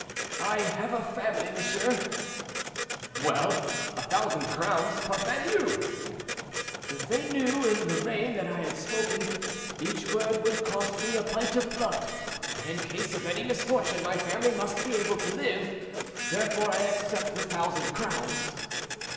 "I have a family, monsieur." "Well! a thousand crowns, parfandious." "If they knew in Lorraine that I had spoken, each word would cost me a pint of blood; and in case of any misfortune, my family must be able to live, therefore I accept the thousand crowns."